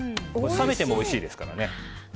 冷めてもおいしいですからね。